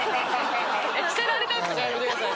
着せられたとかやめてください。